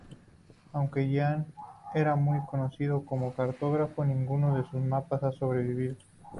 Aunque Jean era muy conocido como cartógrafo, ninguno de sus mapas ha sobrevivido.